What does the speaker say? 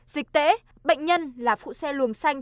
dịch tễ bệnh nhân là phụ xe luồng xanh